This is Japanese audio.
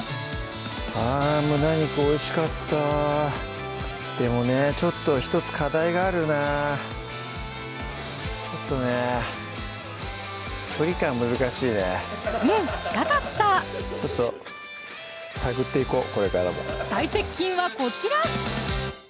あぁ胸肉おいしかったでもねちょっと１つ課題があるなぁちょっとねうん近かったちょっと探っていこうこれからも最接近はこちら！